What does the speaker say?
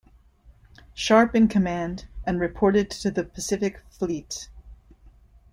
Sharp in command; and reported to the Pacific Fleet.